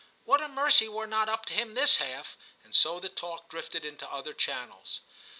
* What a mercy we're not up to him this half!' and so the talk drifted into other channels.